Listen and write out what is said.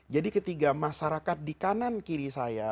jadi ketiga masyarakat di kanan kiri saya